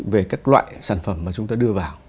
về các loại sản phẩm mà chúng ta đưa vào